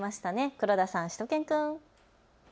黒田さん、しゅと犬くん。